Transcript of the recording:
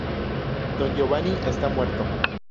Don Giovanni está muerto.